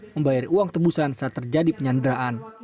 membayar uang tebusan saat terjadi penyanderaan